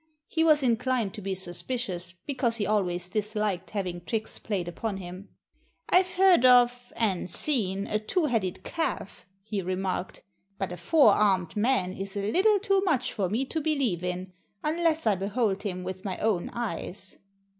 He was inclined to be suspicious, because he always disliked having tricks played upon him. "I've heard of and seen a two headed calf," he remarked. "But a four armed man is a little too much for me to believe in, unless I behold him with my own eyes."